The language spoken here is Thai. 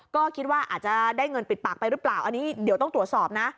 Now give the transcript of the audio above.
ก็คิดว่าอาจจะได้เงินปิดปากไปหรือเปล่าอันนี้เดี๋ยวต้องตรวจสอบนะ